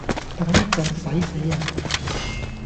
等一陣洗死呀？